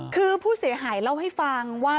คือผู้เสียหายเล่าให้ฟังว่า